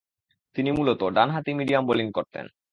তিনি মূলতঃ ডানহাতি মিডিয়াম বোলিং করতেন।